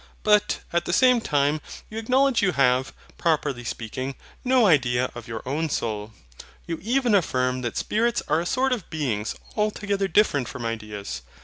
But, at the same time, you acknowledge you have, properly speaking, no IDEA of your own soul. You even affirm that spirits are a sort of beings altogether different from ideas.